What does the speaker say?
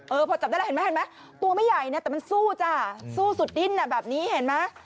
เออพอจับได้แล้วเห็นไหมตัวไม่ใหญ่เนี่ยแต่มันสู้จ้าสู้สุดดิ้นแบบนี้เห็นไหม